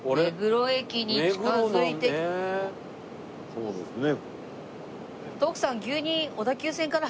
そうですね。